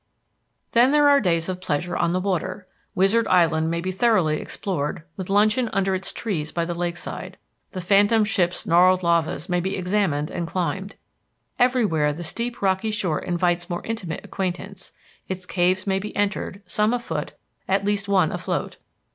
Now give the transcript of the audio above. Then there are days of pleasure on the water. Wizard Island may be thoroughly explored, with luncheon under its trees by the lakeside. The Phantom Ship's gnarled lavas may be examined and climbed. Everywhere the steep rocky shore invites more intimate acquaintance; its caves may be entered, some afoot, at least one afloat.